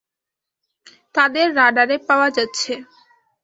তাদের রাডারে পাওয়া যাচ্ছে?